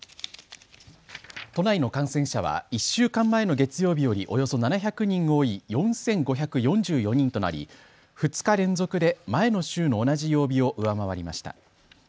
都内の感染者は１週間前の月曜日よりおよそ７００人多い４５４４人となり２日連続で前の週の同じ曜日を上回りました。